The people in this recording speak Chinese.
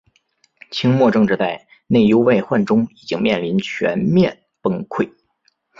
清末政治在内忧外患中已经面临全面崩溃。